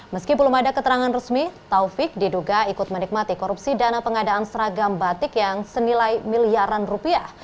meski belum ada keterangan resmi taufik diduga ikut menikmati korupsi dana pengadaan seragam batik yang senilai miliaran rupiah